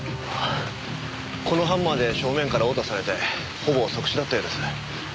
このハンマーで正面から殴打されてほぼ即死だったようです。